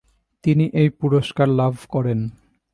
তিনি এই পুরস্কার লাভ করেন।